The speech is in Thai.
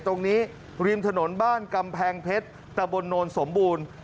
ริมถนนบ้านกำแพงเพชรตะบนโนนสมบูรณ์